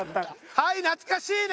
はい懐かしいね！